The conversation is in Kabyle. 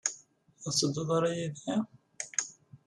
Ur tettedduḍ ara yid-i?